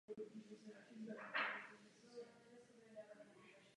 Chce jej jako velitele vesmírného hotelu na oběžné dráze Titanu.